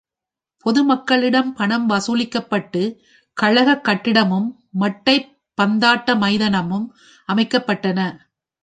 பொது மக்களிடம் பணம் வசூலிக்கப்பட்டுக் கழகக் கட்டிடமும், மட்டைப் பந்தாட்ட மைதானமும் அமைக்கப்பட்டன.